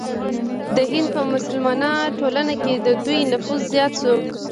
د هند په مسلمانه ټولنه کې د دوی نفوذ زیات شو.